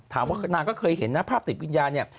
นางก็เคยเห็นนะภาพติดวิญญาณเนี่ย